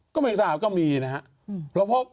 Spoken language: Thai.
ก็ไม่รู้สึกว่าก็มีนะครับ